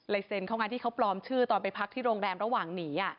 เซ็นเขาไงที่เขาปลอมชื่อตอนไปพักที่โรงแรมระหว่างหนี